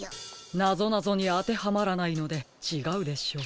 なぞなぞにあてはまらないのでちがうでしょう。